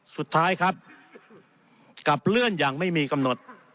สุดท้ายครับกลับเลื่อนอย่างไม่มีกำหนด